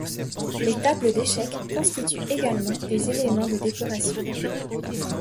Les tables d'échecs constituent également des éléments de décoration.